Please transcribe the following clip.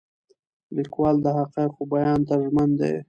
لیکوال د حقایقو بیان ته ژمن دی.